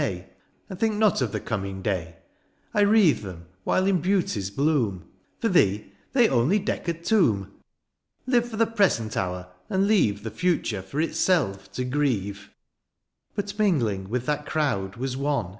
18 DIONYSIUS, ^^ And think not of the coming day :" I wreathe them while in beauty^s bloom^ ^^ For thee, they only deck a tomb ;" Live for the present hour, and leave ^^ The future for itself to grieve/^ But mingling with that crowd was one.